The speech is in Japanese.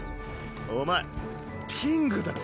お前キングだろ。